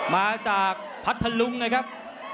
มาจากพัทธลุงนะครับ